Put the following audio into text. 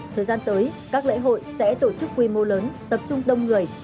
thời gian tới các lễ hội sẽ tổ chức quy mô lớn tập trung đông người